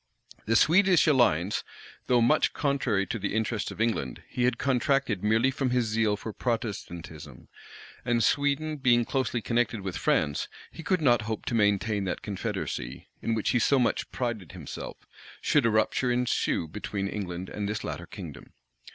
The Swedish alliance, though much contrary to the interests of England, he had contracted merely from his zeal for Protestantism;[] and Sweden being closely connected with France, he could not hope to maintain that confederacy, in which he so much prided himself, should a rupture ensue between England and this latter kingdom.